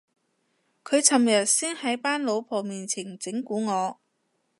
佢尋日先喺班老婆面前整蠱我